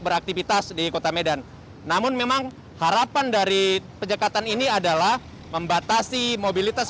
beraktivitas di kota medan namun memang harapan dari penyekatan ini adalah membatasi mobilitas